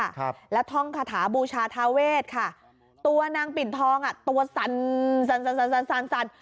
ครับแล้วท่องคาถาบูชาทาเวทค่ะตัวนางปิ่นทองอ่ะตัวสั่นสั่นสั่นสั่นสั่นสั่น